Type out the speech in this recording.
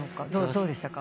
どうでしたか？